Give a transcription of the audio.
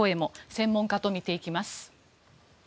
専門家と見ていきます。